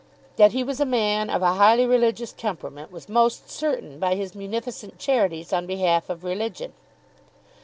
That he was a man of a highly religious temperament was most certain by his munificent charities on behalf of religion.